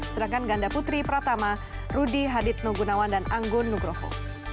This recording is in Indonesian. sedangkan ganda putri pratama rudi hadid nugunawan dan anggun nugroho